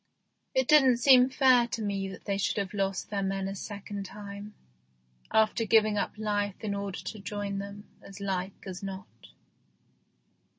It didn't seem THE GHOST SHIP 19 fair to me that they should have lost their men a second time, after giving up life in order to join them, as like as not.